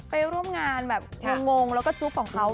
ไปร่วมงานแบบงงแล้วก็จุ๊บของเขา